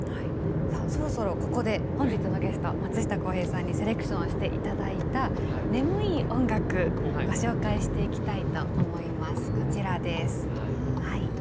そろそろ、ここで本日のゲスト松下洸平さんにセレクションしていただいた眠いい音楽をご紹介していきたいと思います。